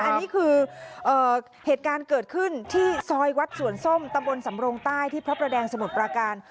อันนี้คือเหตุการณ์เกิดขึ้นที่ซอยวัดสวนส้มตำบลสำรงใต้ที่พระประแดงสมุทรปราการ